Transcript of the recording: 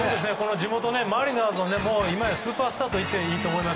地元マリナーズのスーパースターといっていいと思います。